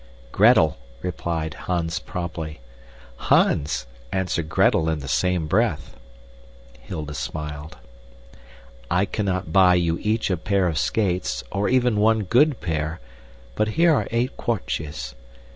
"Gretel," replied Hans promptly. "Hans," answered Gretel in the same breath. Hilda smiled. "I cannot buy you each a pair of skates, or even one good pair, but here are eight kwartjes.